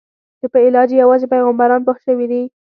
چې په علاج یې یوازې پیغمبران پوه شوي دي.